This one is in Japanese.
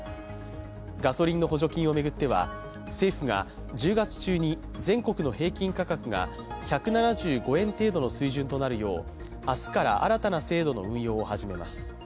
ガソリンの補助金を巡っては政府が１０月中に全国の平均価格が１７５円程度の水準となるよう明日から新たな制度の運用を始めます。